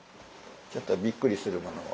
ちょっとびっくりするものを。